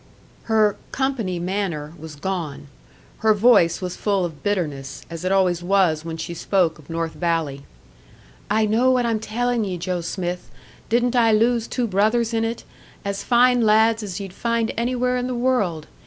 Her "company manner" was gone; her voice was full of bitterness, as it always was when she spoke of North Valley. "I know what I'm tellin' ye, Joe Smith. Didn't I lose two brothers in it as fine lads as ye'd find anywhere in the world!